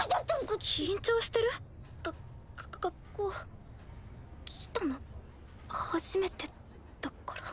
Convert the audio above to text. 緊張してる？が学校来たの初めてだから。